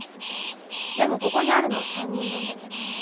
でもここにあるのは３人分だけ。